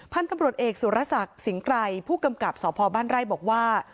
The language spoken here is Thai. พันธุ์ตำรวจเอกสุรศักดิ์สิงห์ไกรผู้กำกับสพบ้านไร่บอกว่า